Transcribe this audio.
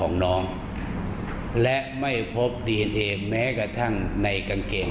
ของน้องและไม่พบดีเอนเอแม้กระทั่งในกางเกง